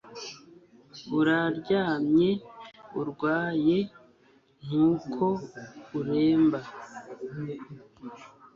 uraryamye urwaye ntuko uremba